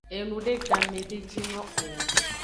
Enude game de jino o.